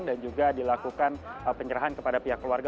dan juga dilakukan penyerahan kepada pihak keluarga